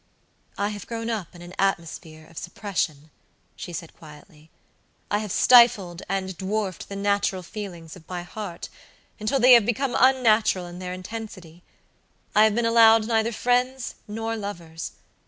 "I have grown up in an atmosphere of suppression," she said, quietly; "I have stifled and dwarfed the natural feelings of my heart, until they have become unnatural in their intensity; I have been allowed neither friends nor lovers.